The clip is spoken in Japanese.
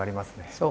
そう。